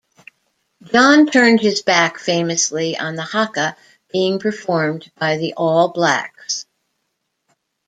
John turned his back famously on the haka being performed by the All Blacks.